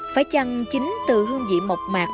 phải chăng chính từ hương vị mộc mạc